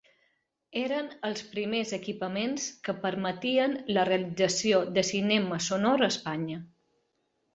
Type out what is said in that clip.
Eren els primers equipaments que permetien la realització de cinema sonor a Espanya.